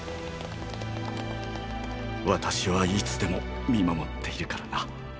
私はいつでも見守っているからな。